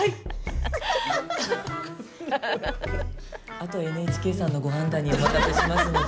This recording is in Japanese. あとはＮＨＫさんのご判断にお任せしますので。